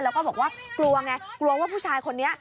แล้วก็บอกว่ากลัวไงกลัวว่าผู้ชายคนนี้